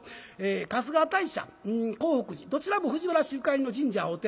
春日大社興福寺どちらも藤原氏ゆかりの神社お寺。